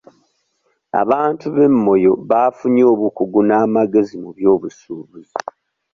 Abantu be Moyo baafunye obukugu n'amagezi mu by'obusuubuzi.